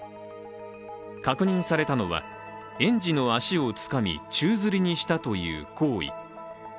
確認されたのは、園児の足をつかみ宙づりにしたという行為。